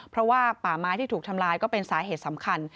เพราะว่าป่าไม้ที่ถูกทำลายก็เป็นสาเหตุสำคัญ